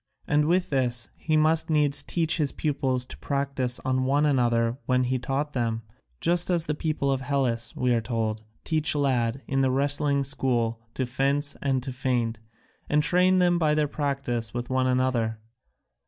And with this he must needs teach his pupils to practise on one another what he taught them, just as the people of Hellas, we are told, teach lads in the wrestling school to fence and to feint, and train them by their practice with one another.